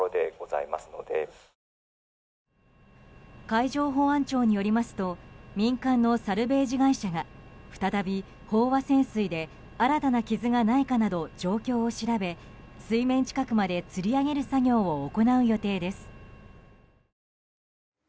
海上保安庁によりますと民間のサルベージ会社が再び飽和潜水で新たな傷がないかなど状況を調べ水面近くまでつり上げる作業を行う予定です。